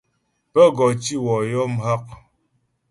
Pə́ gɔ tǐ wɔ yɔ mghak.